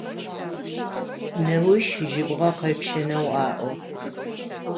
Неущ жьыбгъэ къепщэнэу аӏо.